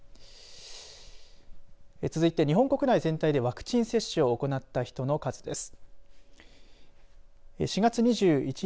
続いて日本国内全体でワクチン接種を行った人の数です。